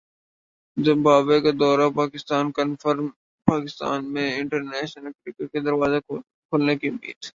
Zimbabwe کا دورہ Pakistan confirm Pakistan میں انٹرنیشنل کرکٹ کے دروازے کھلنے کی امید